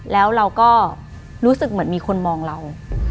แล้วเราก็รู้สึกเหมือนมีคนมองเรา